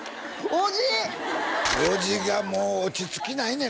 伯父がもう落ち着きないねん